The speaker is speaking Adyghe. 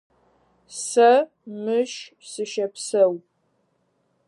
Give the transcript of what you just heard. Сэ мыщ сыщэпсэу.